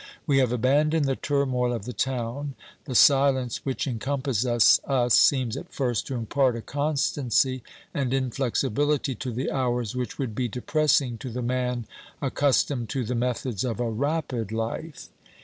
We have abandoned the turmoil of the town ; the silence which encompasses us seems at first to impart a constancy and inflexibility to the hours which would be depressing to the man accustomed to the methods of a rapid life.